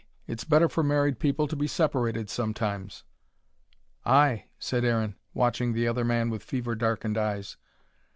It's better for married people to be separated sometimes." "Ay!" said Aaron, watching the other man with fever darkened eyes.